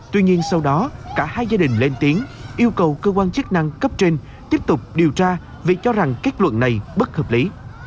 tuy nhiên sau đó cả hai gia đình lên tiếng yêu cầu cơ quan chức năng cấp trên tiếp tục điều tra vì cho rằng kết luận này bất hợp lý